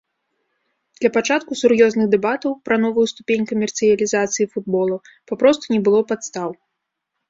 Для пачатку сур'ёзных дэбатаў пра новую ступень камерцыялізацыі футбола папросту не было падстаў.